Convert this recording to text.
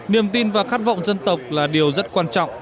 niềm tin và khát vọng dân tộc là điều rất quan trọng